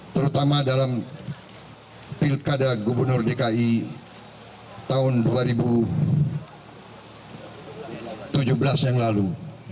terutama dalam pilkada gubernur dki tahun dua ribu tujuh belas yang lalu